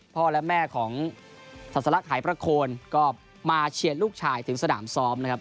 พ่อและแม่ของศาสลักหายประโคนก็มาเชียร์ลูกชายถึงสนามซ้อมนะครับ